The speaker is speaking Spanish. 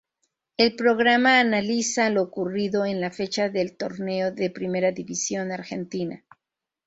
El programa analiza lo ocurrido en la Fecha del Torneo de Primera División Argentina.